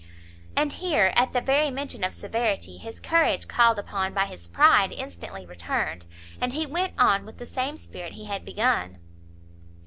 And here, at the very mention of severity, his courage, called upon by his pride, instantly returned, and he went on with the same spirit he had begun.